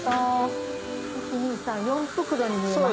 １・２・３４袋に見えます。